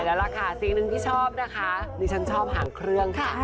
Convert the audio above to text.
แล้วล่ะค่ะสิ่งหนึ่งที่ชอบนะคะดิฉันชอบหางเครื่องค่ะ